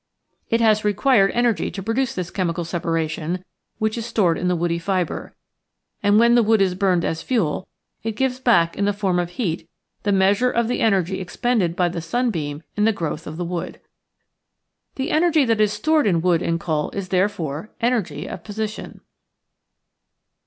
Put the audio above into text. It has required energy to produce this chemi cal separation which is stored in the woody fiber, and when the wood is burned as fuel it gives back in the form of heat the measure of the energy expended by the sunbeam in the growth of the wood. The energy that is stored in wood and coal is therefore energy of posi tion.